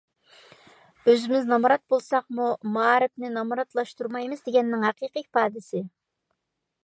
ئۆزىمىز نامرات بولساقمۇ مائارىپنى نامراتلاشتۇرمايمىز دېگەننىڭ ھەقىقىي ئىپادىسى